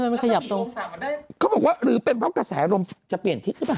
มันขยับตัวได้เขาบอกว่าหรือเป็นเพราะกระแสลมจะเปลี่ยนทิศหรือเปล่า